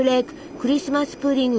クリスマス・プディング